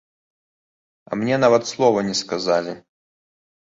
А мне нават слова не сказалі.